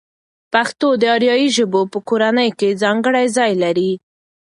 پښتو د آریایي ژبو په کورنۍ کې ځانګړی ځای لري.